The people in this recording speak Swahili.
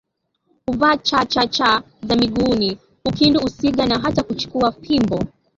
Huvaa chachacha za miguuni ukindu usinga na hata kuchukua fimbo